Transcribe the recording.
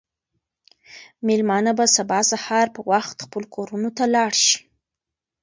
مېلمانه به سبا سهار په وخت خپلو کورونو ته لاړ شي.